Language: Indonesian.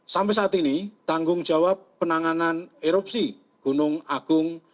sampai saat ini tanggung jawab penanganan erupsi gunung agung